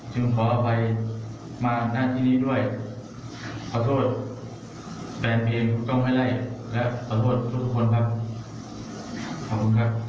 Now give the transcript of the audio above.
ขออภัยมาหน้าที่นี้ด้วยขอโทษแฟนเพลงถูกต้องไม่ได้และขอโทษทุกคนครับขอบคุณครับ